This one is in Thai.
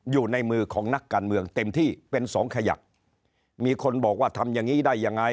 อยู่ในมือของนักการเมืองเต็มที่เป็นสองขยักมีคนบอกว่าทำอย่างงี้ได้ยังไง